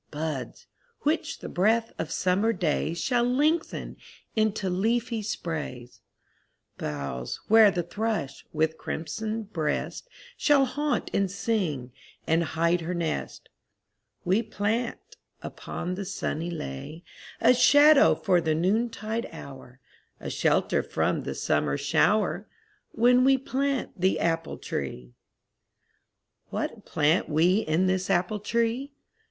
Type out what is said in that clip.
Buds, which the breath of summer days Shall lengthen into leafy sprays; Boughs where the thrush, with crimson breast, Shall haunt and sing and hide her nest; We plant, upon the sunny lea, A shadow for the noontide hour, A shelter from the summer shower, When we plant the apple tree. What plant we in this apple tree?